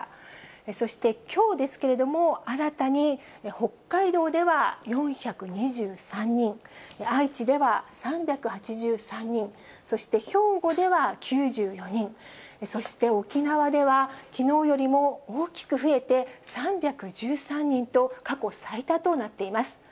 そしてきょうですけれども、新たに北海道では４２３人、愛知では３８３人、そして兵庫では９４人、そして沖縄ではきのうよりも大きく増えて３１３人と、過去最多となっています。